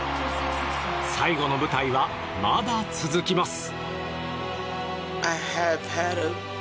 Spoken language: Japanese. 最後の舞台は、まだ続きます。